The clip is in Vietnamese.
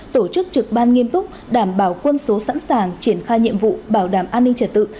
tổ chức trực ban nghiêm túc đảm bảo quân số sẵn sàng triển khai nhiệm vụ bảo đảm an ninh trật tự